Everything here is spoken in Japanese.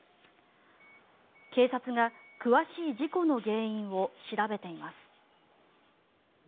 警察が詳しい事故の原因を調べています。